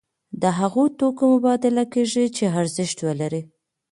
د هغو توکو مبادله کیږي چې ارزښت ولري.